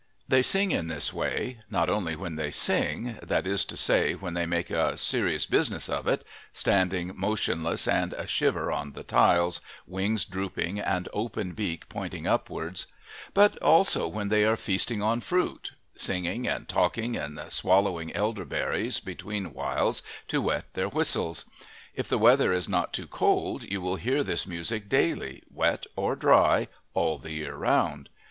They sing in this way not only when they sing that is to say, when they make a serious business of it, standing motionless and a shiver on the tiles, wings drooping and open beak pointing upwards, but also when they are feasting on fruit singing and talking and swallowing elderberries between whiles to wet their whistles. If the weather is not too cold you will hear this music daily, wet or dry, all the year round.